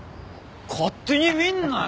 勝手に見んなよ！